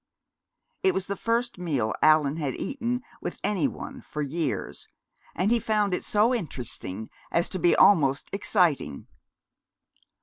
It was the first meal Allan had eaten with any one for years, and he found it so interesting as to be almost exciting.